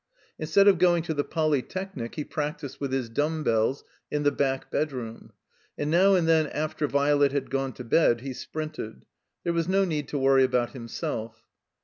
Instead of going to the Polytechnic he practised with his dumb bells in the back bedroom. And now and then after Violet had gone to bed he sprinted. There was no need to worry about himself.